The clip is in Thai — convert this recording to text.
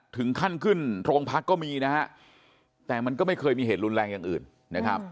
ถึงขั้นขึ้นโรงพักก็มีนะฮะแต่มันก็ไม่เคยมีเหตุรุนแรงอย่างอื่นนะครับ